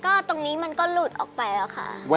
ก็ตรงนี้มันก็หลุดออกไปแล้วค่ะ